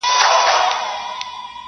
o قاضي و ویله هیڅ پروا یې نسته,